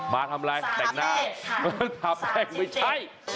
มาทำอะไรแต่งหน้าทาบแรกไม่ใช่